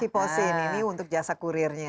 keep posting ini untuk jasa kurirnya